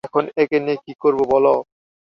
এখন একে নিয়ে কী করবে বলো।